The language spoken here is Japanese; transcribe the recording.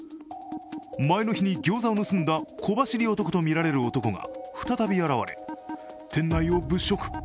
前の日に餃子を盗んだ小走り男とみられる男が再び現れ、店内を物色。